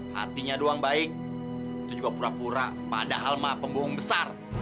hatinya doang baik itu juga pura pura padahal mah pembuung besar